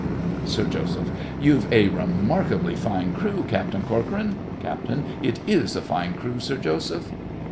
SIR JOSEPH. You've a remarkably fine crew, Captain Corcoran. CAPT. It is a fine crew, Sir Joseph.